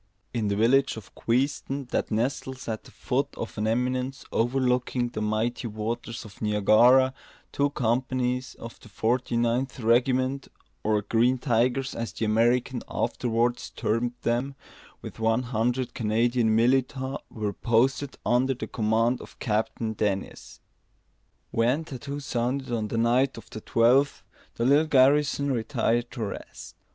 In the village of Queenston, that nestles at the foot of an eminence overlooking the mighty waters of Niagara, two companies of the Forty ninth Regiment, or "Green Tigers," as the Americans afterwards termed them, with one hundred Canadian militia, were posted under the command of Captain Dennis. When tattoo sounded on the night of the twelfth, the little garrison retired to rest.